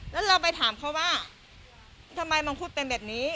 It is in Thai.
แล้วเราไปถามเขาว่าทำไมมังคุดเป็นแบบนี้